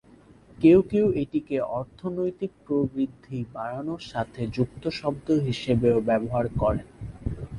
কেউ কেউ এটিকে অর্থনৈতিক প্রবৃদ্ধি বাড়ানোর সাথে যুক্ত শব্দ হিসেবেও ব্যবহার করেন।